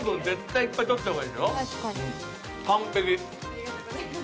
ありがとうございます。